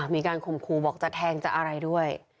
มีการข่มขู่บอกจะแทงจะอะไรด้วย